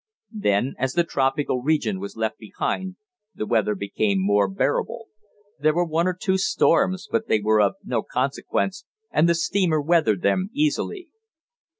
Then, as the tropical region was left behind, the weather became more bearable. There were one or two storms, but they were of no consequence and the steamer weathered them easily.